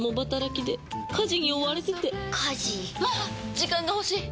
時間が欲しい！